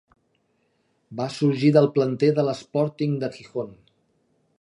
Va sorgir del planter de l'Sporting de Gijón.